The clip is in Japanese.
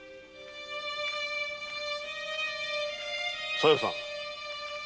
小夜さん。